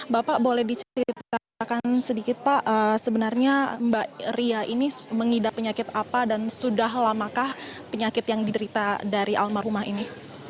bapak boleh diceritakan sedikit pak sebenarnya mbak ria ini mengidap penyakit apa dan sudah lamakah penyakit yang diderita dari almarhumah ini